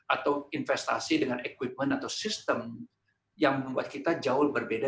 atau investasi dengan equipment atau sistem yang membuat kita jauh berbeda